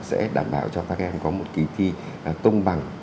sẽ đảm bảo cho các em có một kỳ thi công bằng